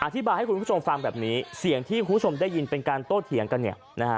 ให้คุณผู้ชมฟังแบบนี้เสียงที่คุณผู้ชมได้ยินเป็นการโต้เถียงกันเนี่ยนะฮะ